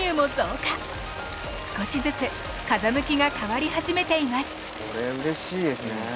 少しずつ風向きが変わり始めています。